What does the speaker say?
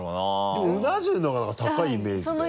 でもうな重の方が高いイメージだよね。